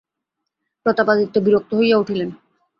প্রতাপাদিত্য বিরক্ত হইয়া উঠিলেন।